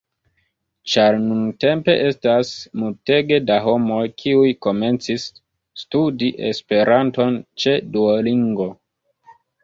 Ĉar nuntempe estas multege da homoj kiuj komencis studi Esperanton ĉe Duolingo